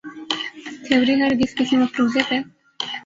theory ہرگز کسی مفروضے پہ